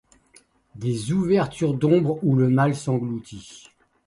Des ouvertures d’ombre où le mal s’engloutit.